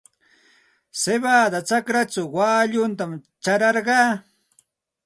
Siwada chakrachaw waallutam churarqaa.